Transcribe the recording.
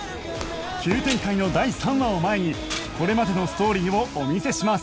急展開の第３話を前にこれまでのストーリーをお見せします